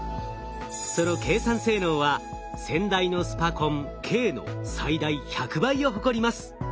その計算性能は先代のスパコン「京」の最大１００倍を誇ります。